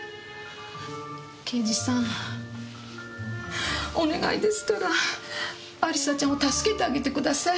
刑事さんお願いですから亜里沙ちゃんを助けてあげてください。